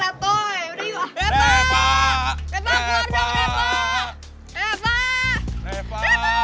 wah aduh lo bilang sama megan aja